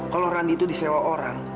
kalau randi itu disewa orang